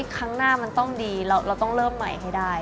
ครั้งหน้ามันต้องดีเราต้องเริ่มใหม่ให้ได้